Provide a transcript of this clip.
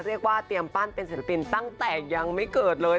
เรียกว่าเตรียมปั้นเป็นศิลปินตั้งแต่ยังไม่เกิดเลย